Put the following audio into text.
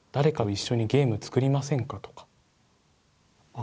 あ。